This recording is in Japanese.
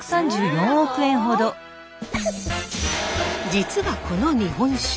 実はこの日本酒。